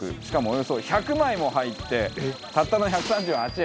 しかもおよそ１００枚も入ってたったの１３８円。